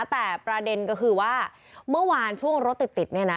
แต่ประเด็นก็คือว่าเมื่อวานช่วงรถติดเนี่ยนะ